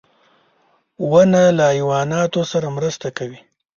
• ونه له حیواناتو سره مرسته کوي.